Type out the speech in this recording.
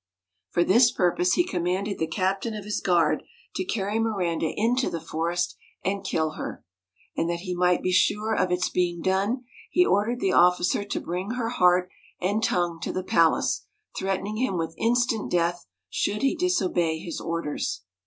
For this purpose he commanded the captain of his guard to carry Miranda into the forest and kill her ; and that he might be sure of its being done, he ordered the officer to bring her heart and tongue to the palace, threatening him with instant death should he disobey his orders.